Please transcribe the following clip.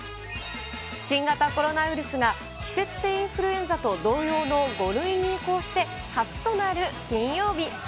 新型コロナウイルスが季節性インフルエンザと同様の５類に移行して初となる金曜日。